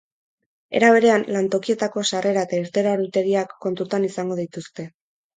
Era berean, lantokietako sarrera eta irteera ordutegiak kontutan izango dituzte.